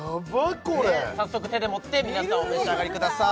これ早速手で持って皆さんお召し上がりください